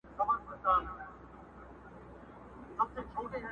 توري ورځي سپیني شپې مي نصیب راکړې؛